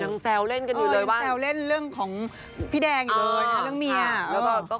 แซวเล่นกันอยู่เลยว่าแซวเล่นเรื่องของพี่แดงอยู่เลยนะเรื่องเมีย